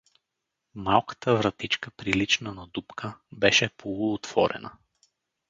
Малката вратичка, прилична на дупка, беше полуотворена.